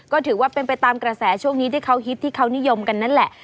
ก็ถือว่าเป็นไปตามกระแสช่วงนี้ที่เขาฮิตที่เขานิยมกันนั่นแหละ